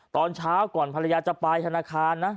ตอนเช้าก่อนภรรยาจะไปธนาคารนะ